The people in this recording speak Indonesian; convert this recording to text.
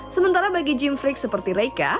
sementara bagi gym freak seperti reika